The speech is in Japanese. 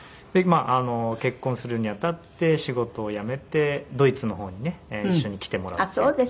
でまあ結婚するにあたって仕事を辞めてドイツの方にね一緒に来てもらうっていう。